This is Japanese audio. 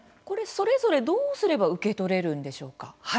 それぞれ、どうすれば受け取れるんでしょうか？